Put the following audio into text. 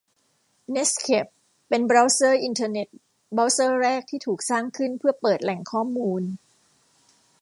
เน็ตสเคป เป็นบราวเซอร์อินเทอร์เน็ต บราวเซอร์แรกที่ถูกสร้างขึ้นเพื่อเปิดแหล่งข้อมูล